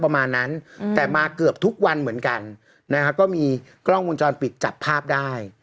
ประมาณนั้นแต่มาเกือบทุกวันเหมือนกันนะฮะก็มีกล้องวงจรปิดจับภาพได้